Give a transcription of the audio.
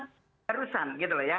keharusan gitu ya